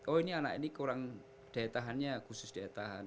oh ini anak ini kurang daya tahannya khusus daya tahan